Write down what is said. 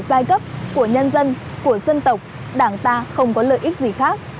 ngoài lợi ích của giai cấp của nhân dân của dân tộc đảng ta không có lợi ích gì khác